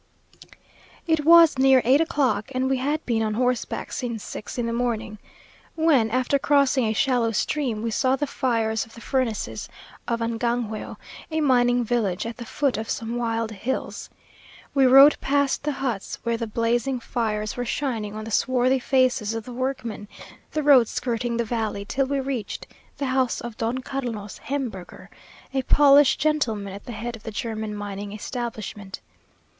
It was near eight o'clock (and we had been on horseback since six in the morning), when, after crossing a shallow stream, we saw the fires of the furnaces of Angangueo, a mining village, at the foot of some wild hills. We rode past the huts, where the blazing fires were shining on the swarthy faces of the workmen, the road skirting the valley, till we reached the house of Don Carlos Heimbürger, a Polish gentleman at the head of the German mining establishment.